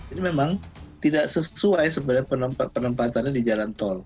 ini memang tidak sesuai sebenarnya penempatannya di jalan tol